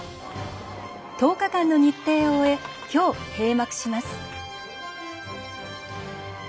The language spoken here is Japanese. １０日間の日程を終えきょう、閉幕します。